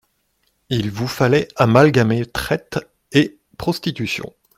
Il vous fallait amalgamer traite et prostitution.